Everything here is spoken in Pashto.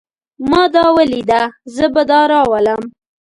ما دا وليده. زه به دا راولم.